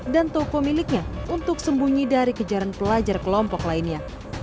dan toko miliknya untuk sembunyi dari kejaran pelajar kelompok lainnya